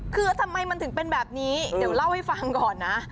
คือทำไมมันถึงเป็นแบบนี้เดี๋ยวเล่าให้ฟังก่อนนะ